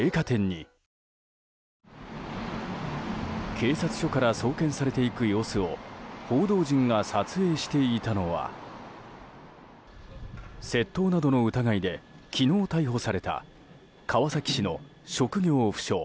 警察署から送検されていく様子を報道陣が撮影していたのは窃盗などの疑いで昨日逮捕された川崎市の職業不詳